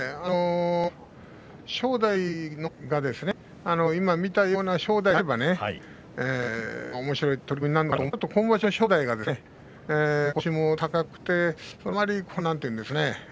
正代が今見たような正代であればおもしろい取組になるのかなと思いますが今場所の正代が腰も高くてあまり、なんていうんですかね